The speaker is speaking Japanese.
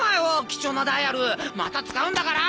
貴重なダイアルまた使うんだから！